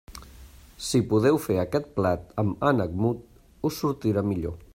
Si podeu fer aquest plat amb ànec mut, us sortirà millor.